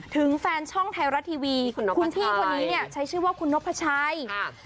ถึงแฟนช่องไทยรัฐทีวีคุณพี่คนนี้เนี่ยใช้ชื่อว่าคุณนพชัย